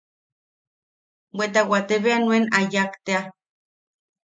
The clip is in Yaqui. Bea wate bea nuen a yak tea.